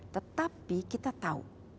tetapi kita tahu